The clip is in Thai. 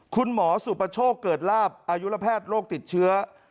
คุณหมอสุปโชคเกิดลาบอายุระแพทย์โรคติดเชื้อ